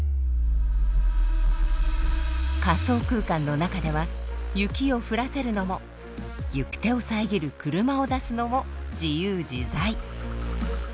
仮想空間の中では雪を降らせるのも行く手を遮る車を出すのも自由自在。